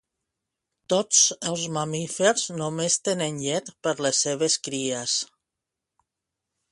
Tots els mamífers només tenen llet per les seves cries.